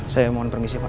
saya mohon permisi pak